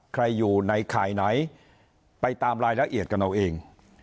ใครอยู่ในข่ายไหนไปตามรายละเอียดกันเอาเอง